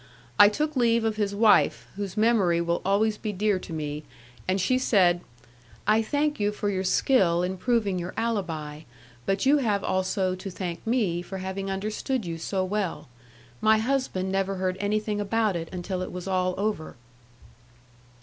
I took leave of his wife, whose memory will always be dear to me, and she said, "I thank you for your skill in proving your alibi, but you have also to thank me for having understood you so well. My husband never heard anything about it until it was all over."